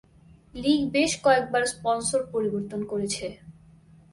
লীগ বেশ কয়েকবার স্পন্সর পরিবর্তন করেছে।